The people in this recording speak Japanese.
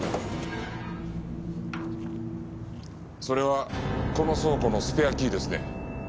それはこの倉庫のスペアキーですね？